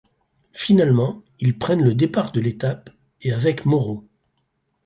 Finalement, ils prennent le départ de l'étape, et avec Moreau.